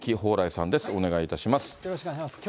よろしくお願いします。